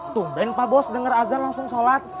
tungguin pak bos denger azan langsung sholat